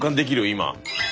今。